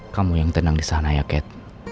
kamu yang tenang disana ya kat